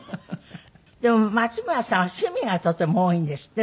でも松村さんは趣味がとても多いんですって？